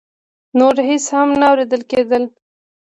نور هېڅ هم نه اورېدل کېدل.